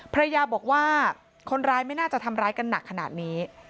ภรรยาบอกว่าคนร้ายไม่น่าจะทำร้ายกันหนักขนาดนี้